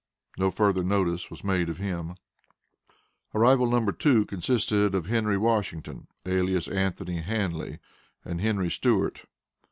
No further notice was made of him. Arrival No. 2 consisted of Henry Washington, alias Anthony Hanly, and Henry Stewart.